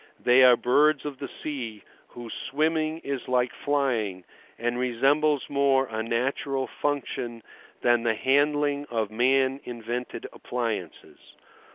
They are birds of the sea, whose swimming is like flying, and resembles more a natural function than the handling of man invented appliances.